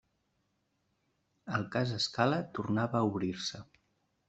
El cas Scala tornava a obrir-se.